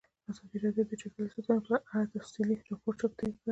ازادي راډیو د چاپیریال ساتنه په اړه تفصیلي راپور چمتو کړی.